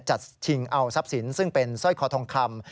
จัดทิ้งเอาทรัพย์สินซึ่งเป็นซ่อยคอทองคำ